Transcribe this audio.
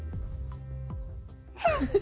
フフフ。